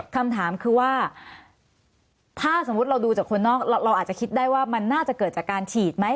คำถามคือว่าถ้าสมมุติเราดูจากคนนอกเราอาจจะคิดได้ว่ามันน่าจะเกิดจากการฉีดไหม